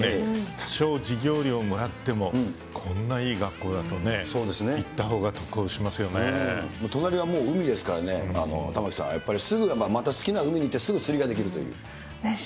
多少、授業料もらっても、こんないい学校だとね、隣はもう海ですから、玉城さん、やっぱりすぐ好きな海に行ってすぐ釣りができるという。